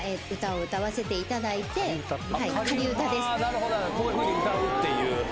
なるほどこういうふうに歌うっていう。